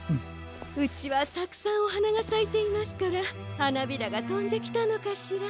うちはたくさんおはながさいていますからはなびらがとんできたのかしら。